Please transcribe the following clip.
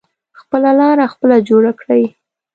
خپله لاره خپله جوړه کړی.